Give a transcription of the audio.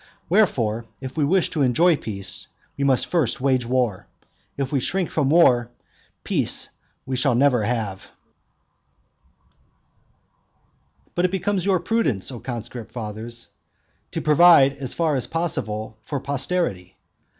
Wherefore, if we wish to enjoy peace we must first wage war. If we shrink from war, peace we shall never have. VII. But it becomes your prudence, O conscript fathers, to provide as far forward as possible for posterity.